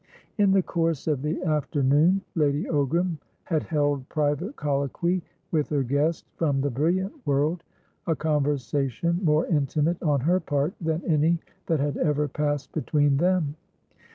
In the course of the afternoon, Lady Ogram had held private colloquy with her guest from the brilliant world, a conversation more intimate on her part than any that had ever passed between them.